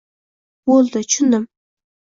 Bo`ldi, tushundim